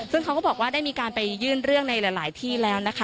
ซึ่งเขาก็บอกว่าได้มีการไปยื่นเรื่องในหลายที่แล้วนะคะ